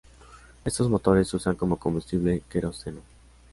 Estos motores usan como combustible queroseno.